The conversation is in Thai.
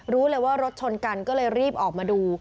รู้เลยว่ารถชนกันก็เลยรีบออกมาดู